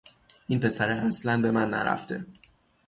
این پسره اصلن به من نرفته